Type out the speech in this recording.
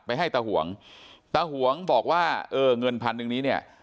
ให้ตาหวงตาหวงบอกว่าเออเงินพันหนึ่งนี้เนี่ย